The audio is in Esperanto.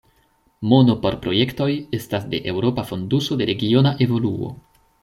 Mono por projektoj estas de Eŭropa fonduso de regiona evoluo.